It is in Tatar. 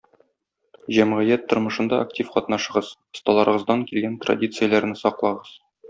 Җәмгыять тормышында актив катнашыгыз, остазларыгыздан килгән традицияләрне саклагыз.